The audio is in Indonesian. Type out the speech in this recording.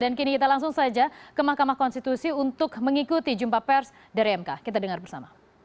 dan kini kita langsung saja ke mahkamah konstitusi untuk mengikuti jumpa pers dari mk kita dengar bersama